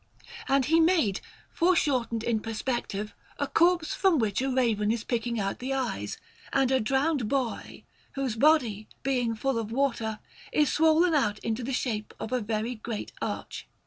And he made, foreshortened in perspective, a corpse from which a raven is picking out the eyes, and a drowned boy, whose body, being full of water, is swollen out into the shape of a very great arch.